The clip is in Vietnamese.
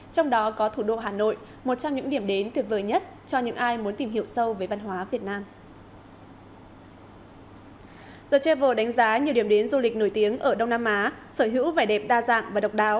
trong đó có thủ đô hà nội một trong những điểm đến tuyệt vời nhất cho những ai muốn tìm hiểu